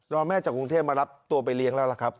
แม่จากกรุงเทพมารับตัวไปเลี้ยงแล้วล่ะครับ